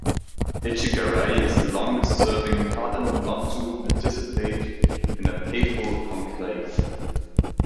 Etchegaray is the longest-serving cardinal not to participate in a papal conclave.